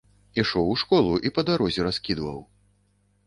Ішоў у школу і па дарозе раскідваў.